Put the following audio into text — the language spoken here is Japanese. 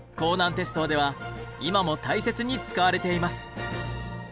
鉄道では今も大切に使われています。